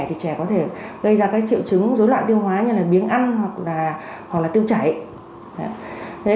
thì trẻ có thể gây ra các triệu chứng dối loạn tiêu hóa như là biếng ăn hoặc là tiêu chảy